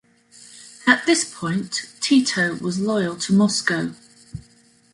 At this point, Tito was loyal to Moscow.